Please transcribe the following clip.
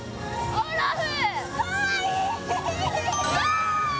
オラフ！